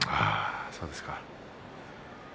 そうですか。